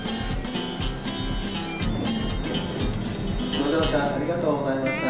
「ご乗車ありがとうございました。